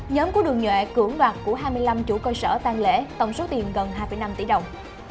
nhóm của đường nhuệ cưỡng đoạt của hai mươi năm chủ cơ sở tăng lễ tổng số tiền gần hai năm tỷ đồng